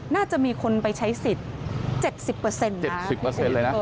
น่าจะมีคนไปใช้สิทธิ์๗๐๗๐เลยนะ